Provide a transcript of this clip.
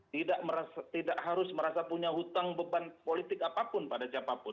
tidak harus merasa punya hutang beban politik apapun pada siapapun